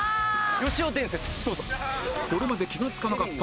よしお伝説どうぞ。